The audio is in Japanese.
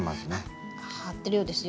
張ってるようですよ。